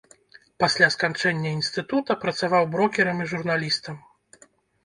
Пасля сканчэння інстытута працаваў брокерам і журналістам.